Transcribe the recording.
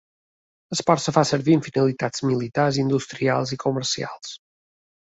El port es fa servir amb finalitats militars, industrials i comercials.